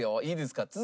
いいですか？